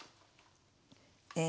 え